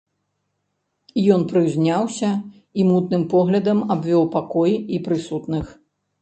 Ён прыўзняўся і мутным поглядам абвёў пакой і прысутных.